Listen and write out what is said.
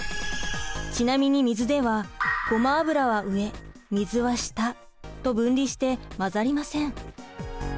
ちなみに水ではごま油は上水は下と分離して混ざりません。